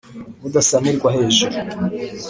udasamirwa hejuru